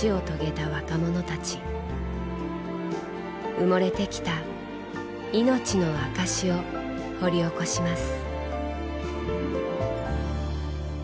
埋もれてきた命の証しを掘り起こします。